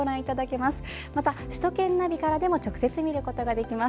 また、首都圏ナビからでも直接、見ることができます。